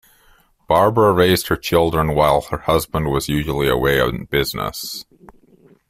Barbara raised her children while her husband was usually away on business.